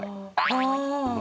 ああ！